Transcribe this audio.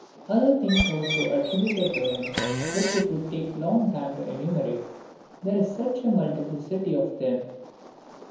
Other sayings also are attributed to him, which it would take a long time to enumerate, there is such a multiplicity of them.